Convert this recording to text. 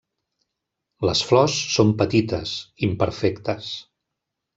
Les flors són petites, imperfectes.